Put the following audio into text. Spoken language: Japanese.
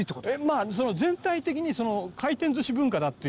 まあその全体的に回転寿司文化だっていう。